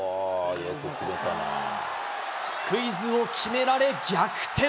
スクイズを決められ逆転。